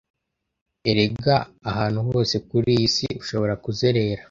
erega ahantu hose kuri iyi si ushobora kuzerera